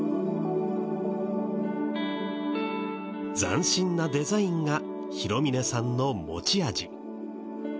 斬新なデザインが弘峰さんの持ち味。